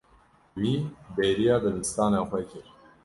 Wî bêriya dibistana xwe kir.